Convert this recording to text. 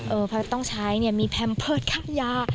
เออแพทย์ต้องใช้มีแพมเพิร์ตคับยา